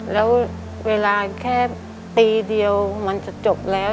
แล้วเวลาแค่ปีเดียวมันจะจบแล้ว